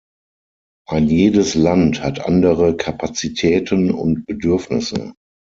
Ein jedes Land hat andere Kapazitäten und Bedürfnisse.